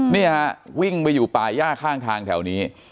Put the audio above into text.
นี่ฮะวิ่งไปอยู่ป่าย่าข้างทางแถวนี้